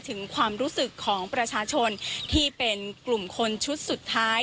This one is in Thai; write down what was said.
ถึงความรู้สึกของประชาชนที่เป็นกลุ่มคนชุดสุดท้าย